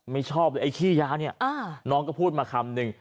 ไม่ชอบเลยไอ้ขี้ยาเนี่ยน้องก็พูดมาคำนึง